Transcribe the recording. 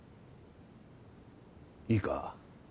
いいか？